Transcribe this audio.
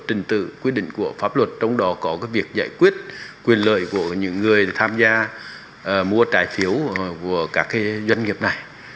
trình tự quy định của pháp luật trong đó có việc giải quyết quyền lợi của những người tham gia mua trái phiếu của các doanh nghiệp này